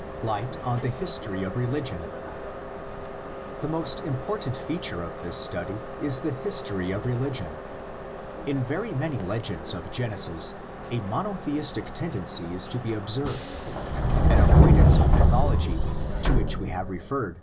LIGHT ON THE HISTORY OF RELIGION. The most important feature of this study is the history of religion. In very many legends of Gen esis a monotheistic tendency is to be observed, an avoidance of mythology to which we have re ferred (see pp.